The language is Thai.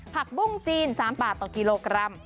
ผักบุ้งจีน๓บาทต่อกิโลกรัม